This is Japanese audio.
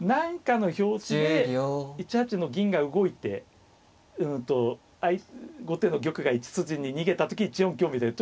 何かの拍子で１八の銀が動いて後手の玉が１筋に逃げた時１四香みたいな。